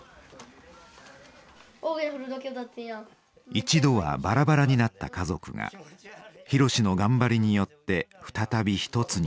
一度はバラバラになった家族が博のがんばりによって再び一つになりました。